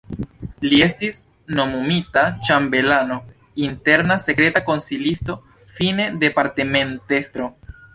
Li estis nomumita ĉambelano, interna sekreta konsilisto, fine departementestro.